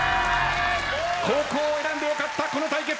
後攻を選んでよかったこの対決。